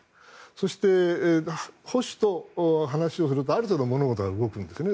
そして、保守と話をするとある程度物事が動くんですね。